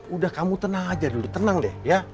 udah kamu tenang aja dulu tenang deh